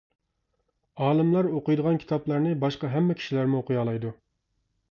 ئالىملار ئوقۇيدىغان كىتابلارنى باشقا ھەممە كىشىلەرمۇ ئوقۇيالايدۇ.